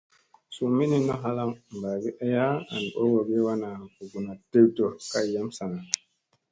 Suu minin na halaŋ ɓagi aya an ɓorowogi wana ɓuguna dew dew kay yam sana.